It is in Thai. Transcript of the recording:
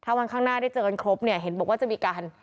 วันข้างหน้าได้เจอกันครบเนี่ยเห็นบอกว่าจะมีการ